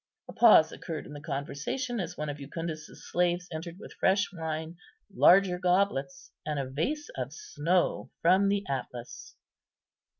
A pause occurred in the conversation as one of Jucundus's slaves entered with fresh wine, larger goblets, and a vase of snow from the Atlas.